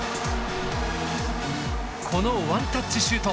このワンタッチシュート。